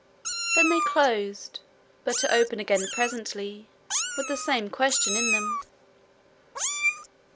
Then they closed, but to open again presently, with the same questions in them.